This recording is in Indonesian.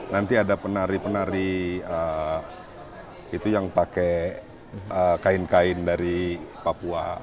nanti ada penari penari itu yang pakai kain kain dari papua